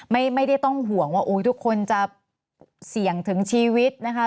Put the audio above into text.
ไม่ได้ต้องห่วงว่าทุกคนจะเสี่ยงถึงชีวิตนะคะ